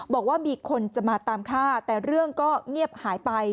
บอกว่ามีคนจะมาตามฆ่าแต่เรื่องก็เงียบหายไป